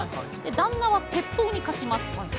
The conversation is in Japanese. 旦那は鉄砲に勝ちます。